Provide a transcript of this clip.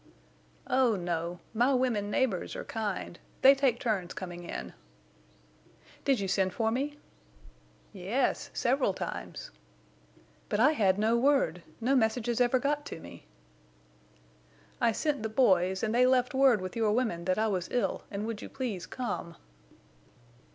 "Oh no! My women neighbors are kind. They take turns coming in." "Did you send for me?" "Yes, several times." "But I had no word—no messages ever got to me." "I sent the boys, and they left word with your women that I was ill and would you please come."